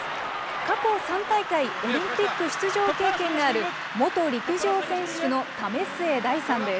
過去３大会、オリンピック出場経験がある元陸上選手の為末大さんです。